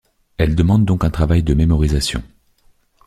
Elle demande donc un travail de mémorisation.